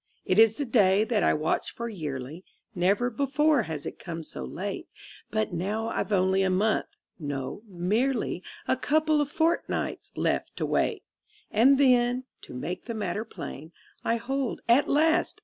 It is the day that I watch for yearly, Never before has it come so late; But now I've only a month no, merely A couple of fortnights left to wait; And then (to make the matter plain) I hold at last!